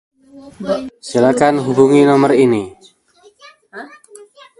Silakan hubungi nomor ini.